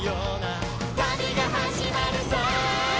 「旅が始まるぞ！」